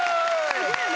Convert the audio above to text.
すげぇな！